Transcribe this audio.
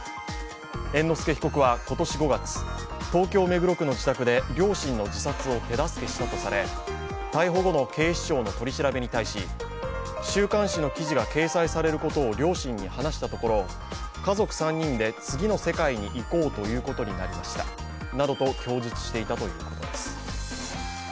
猿之助被告は今年５月、東京・目黒区の自宅で両親の自殺を手助けしたとされ、逮捕後の警視庁の取り調べに対し週刊誌の記事が掲載されることを両親に話したところ、家族３人で次の世界に行こうということになりましたなどと供述していたということです。